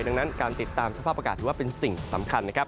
ดังนั้นการติดตามสภาพอากาศถือว่าเป็นสิ่งสำคัญนะครับ